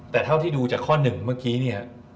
แต่เท่าที่ดูจากข้อหนึ่งเมื่อกี้เนี่ย